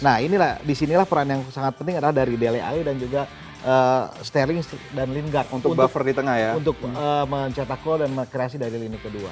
nah inilah disinilah peran yang sangat penting adalah dari dele ayu dan juga sterling dan lingard untuk mencetak gol dan kreasi dari lini kedua